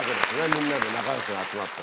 みんなで仲良しが集まってね。